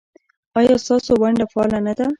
ایا ستاسو ونډه فعاله نه ده؟